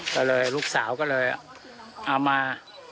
ก็เลยลูกสาวก็เลยเอามา